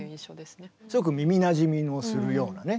すごく耳なじみのするようなね